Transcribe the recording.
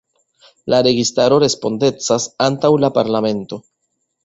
La registaro respondecas antaŭ la parlamento.